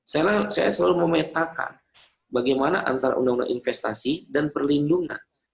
saya selalu memetakan bagaimana antara undang undang investasi dan perlindungan